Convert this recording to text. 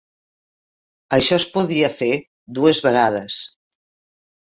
Això es podia fer dues vegades.